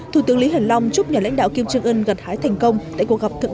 thủ tướng lý hiển long chúc nhà lãnh đạo kim jong un gần hái thành công tại cuộc gặp thượng